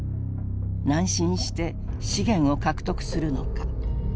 南進して資源を獲得するのか。